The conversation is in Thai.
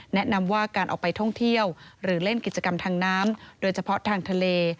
แนะนำว่าการออกไปท่องเที่ยวหรือเล่นกิจกรรมทางน้ำโดยเฉพาะทางทะเล